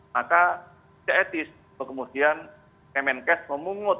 maka kemungkinan kemenkes memungut